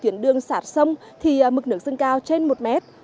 tuyến đường sạt sông thì mực nước dâng cao trên một mét